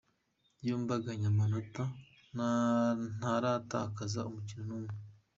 Yombi anganya amanota ntaratakaza umukino n’umwe.